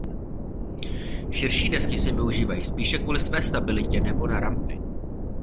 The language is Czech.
Širší desky se využívají spíše kvůli své stabilitě nebo na rampy.